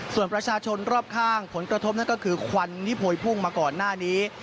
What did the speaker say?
ส่วนประชาชนรอบข้างผลกระทบนั่นก็คือควันที่โพยพุ่งมาก่อนหน้านี้